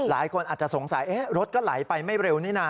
หลายคนอาจจะสงสัยรถก็ไหลไปไม่เร็วนี่นะ